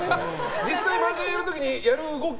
実際マージャンやる時にやる動き？